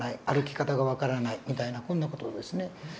歩き方が分からないみたいなこんな事ですね。